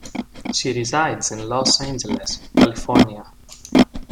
She resides in Los Angeles, California.